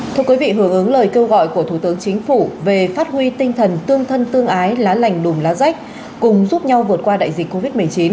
thưa quý vị hưởng ứng lời kêu gọi của thủ tướng chính phủ về phát huy tinh thần tương thân tương ái lá lành đùm lá rách cùng giúp nhau vượt qua đại dịch covid một mươi chín